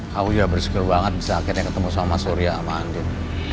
kau ya bersyukur banget bisa akhirnya ketemu sama mas surya sama andir